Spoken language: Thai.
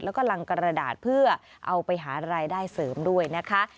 แล้วก็รังกระดาษเพื่อเอาไปหารายได้เสริมด้วยนะคะ